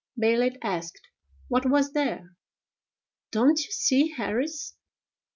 Bailey asked what was there. Don't you see Harris?